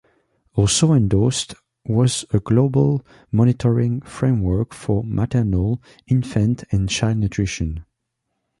Also endorsed was a global monitoring framework for maternal, infant and child nutrition.